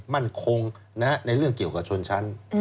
มั่นคงในเรื่องเกี่ยวกับชนชั้น